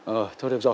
ừ thôi được rồi